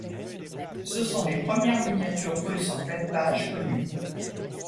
Ce sont les premières miniatures russes en pleine page connues.